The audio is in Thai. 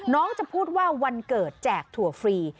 จะพูดว่าวันเกิดแจกถั่วฟรี